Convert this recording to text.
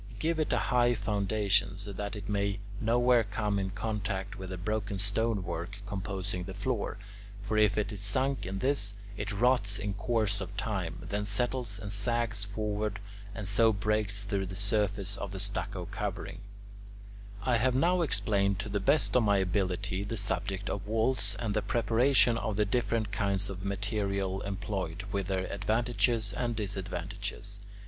Give it a high foundation so that it may nowhere come in contact with the broken stone work composing the floor; for if it is sunk in this, it rots in course of time, then settles and sags forward, and so breaks through the surface of the stucco covering. I have now explained to the best of my ability the subject of walls, and the preparation of the different kinds of material employed, with their advantages and disadvantages.